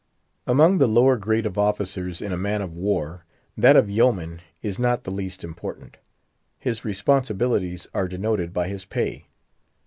Among the lower grade of officers in a man of war, that of Yeoman is not the least important. His responsibilities are denoted by his pay.